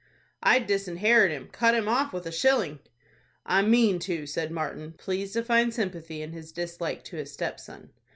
"I'd disinherit him. Cut him off with a shilling'." "I mean to," said Martin, pleased to find sympathy in his dislike to his stepson.